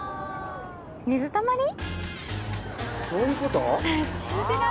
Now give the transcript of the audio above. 水たまり？